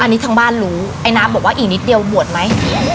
อันนี้ทางบ้านรู้ไอ้น้ำบอกว่าอีกนิดเดียวบวชไหม